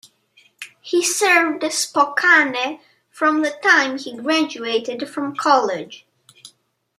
He served Spokane from the time he graduated from college.